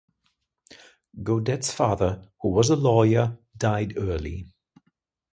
Godet's father, who was a lawyer, died early.